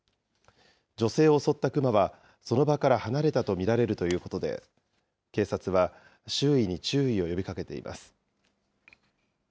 女性を襲ったクマはその場から離れたと見られるということで、警察は周囲に注意を呼びかけています。